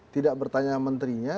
tidak bertanya menterinya